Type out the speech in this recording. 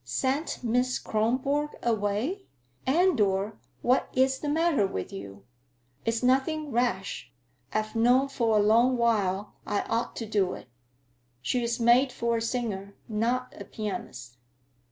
"Sent Miss Kronborg away? Andor, what is the matter with you?" "It's nothing rash. I've known for a long while I ought to do it. She is made for a singer, not a pianist."